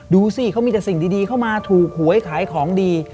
ดูสิเขามีแต่สิ่งดีเข้ามาถูกหวยขายของดี